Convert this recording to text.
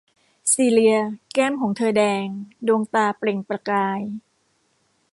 ซีเลีย แก้มของเธอแดง ดวงตาเปล่งประกาย